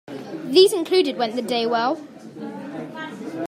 These included Went the Day Well?